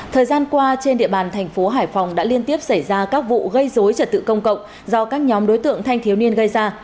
thời gian qua trên địa bàn tp hcm đã liên tiếp xảy ra các vụ gây dối trật tự công cộng do các nhóm đối tượng thanh thiếu niên gây ra